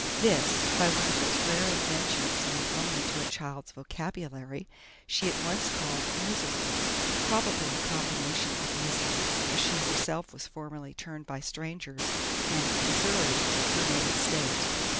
This, by one of those rare inventions known only to a child's vocabulary, she at once called "Misery" probably a combination of "Missy," as she herself was formerly termed by strangers, and "Missouri," her native State.